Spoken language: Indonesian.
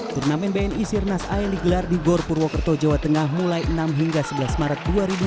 turnamen bni sirnas a yang digelar di gor purwokerto jawa tengah mulai enam hingga sebelas maret dua ribu dua puluh